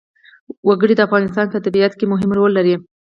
وګړي د افغانستان په طبیعت کې مهم رول لري.